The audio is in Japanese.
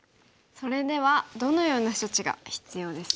それではどのような処置が必要ですか？